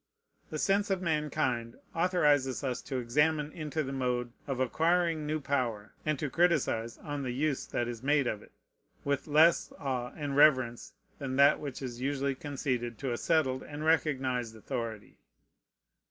The sense of mankind authorizes us to examine into the mode of acquiring new power, and to criticize on the use that is made of it, with less awe and reverence than that which is usually conceded to a settled and recognized authority.